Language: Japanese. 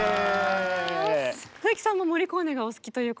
富貴さんもモリコーネがお好きということで。